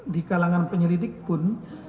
di kalangan penyelidik pun